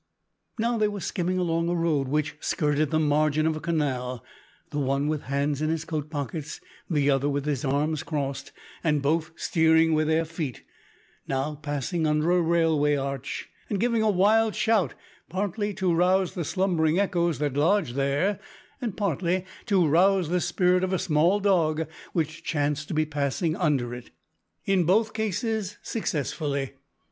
Now they were skimming along a road which skirted the margin of a canal, the one with hands in his coat pockets, the other with his arms crossed, and both steering with their feet; now passing under a railway arch, and giving a wild shout, partly to rouse the slumbering echoes that lodged there, and partly to rouse the spirit of a small dog which chanced to be passing under it in both cases successfully!